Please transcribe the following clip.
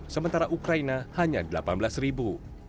sementara ukraina hanya delapan belas ribu